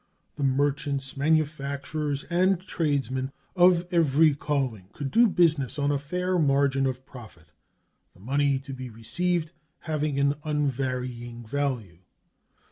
The merchants, manufacturers, and tradesmen of every calling could do business on a fair margin of profit, the money to be received having an unvarying value.